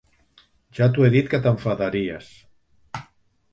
- Ja t'ho he dit que t'enfadaries.